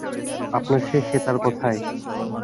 আপনার সে সেতার কোথায়?